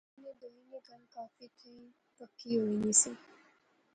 انیں دوئیں نی گل کافی تھی پکی ہوئی نی سی